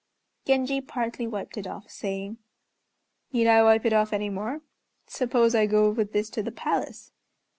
Genji partly wiped it off, saying, "Need I wipe it off any more? Suppose I go with this to the Palace?"